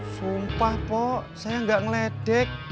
sumpah pok saya nggak ngeledek